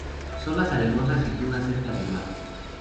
Zonas arenosas, y dunas cerca del mar.